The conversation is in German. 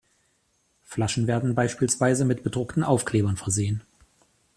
Flaschen werden beispielsweise mit bedruckten Aufklebern versehen.